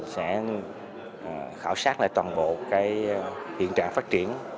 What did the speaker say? sẽ khảo sát lại toàn bộ hiện trạng phát triển